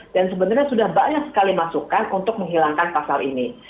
dan sebenarnya sudah banyak sekali masukan untuk menghilangkan pasal ini